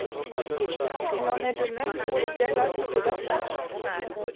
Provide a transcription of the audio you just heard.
Il en est de même pour les gabarits de l’arrière.